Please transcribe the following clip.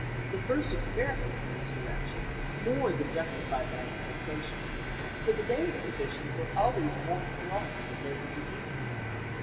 The first experiments in this direction, more than justified my expectations, for the day exhibitions were always more thronged than those of the evening.